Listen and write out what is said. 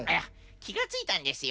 きがついたんですよ。